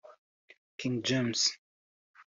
King James